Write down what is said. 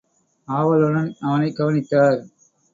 ஆவலுடன் அவனைக் கவனித்தார்.